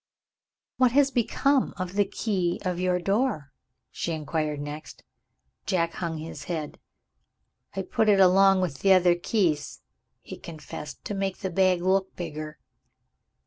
"What has become of the key of your door?" she inquired next. Jack hung his head. "I put it along with the other keys," he confessed, "to make the bag look bigger."